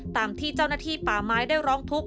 ตามที่เจ้าหน้าที่ป่าไม้ได้ร้องทุกข